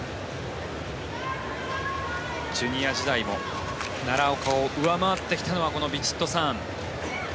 ジュニア時代も奈良岡を上回ってきたのはこのヴィチットサーン。